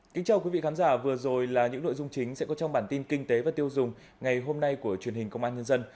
kính chào quý vị khán giả vừa rồi là những nội dung chính sẽ có trong bản tin kinh tế và tiêu dùng ngày hôm nay của truyền hình công an nhân dân